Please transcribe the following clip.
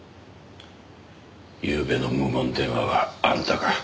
ゆうべの無言電話はあんたか。